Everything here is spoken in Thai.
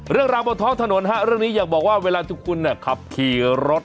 เรื่องราวบนท้องถนนเรื่องนี้อยากบอกว่าเวลาที่คุณขับขี่รถ